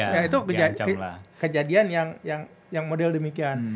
ya itu kejadian yang model demikian